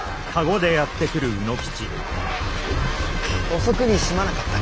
遅くにすまなかったね。